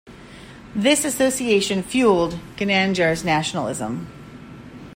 This association fueled Ginandjar's nationalism.